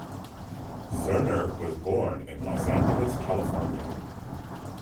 Zerner was born in Los Angeles, California.